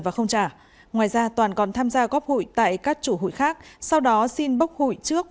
và không trả ngoài ra toàn còn tham gia góp hủy tại các chủ hủy khác sau đó xin bốc hủy trước